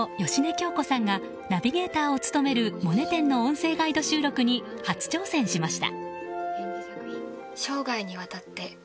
京子さんがナビゲーターを務めるモネ展の音声ガイド収録に初挑戦しました。